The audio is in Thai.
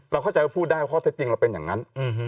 เราเข้าใจว่าพูดได้เพราะถ้าจริงเราเป็นอย่างนั้น